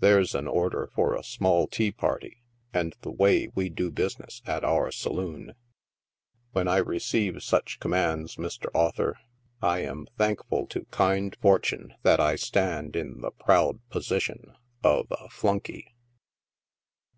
There's an order for a small tea party, and the way we do business at our saloon. When I receive such commands, Mr. Author,! am thankful to kind fortune that I stand in the proud position of a Flunkey.